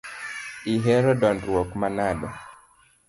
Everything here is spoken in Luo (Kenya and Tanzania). Ihero dondruok manade?